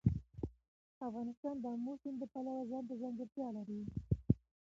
افغانستان د آمو سیند د پلوه ځانته ځانګړتیا لري.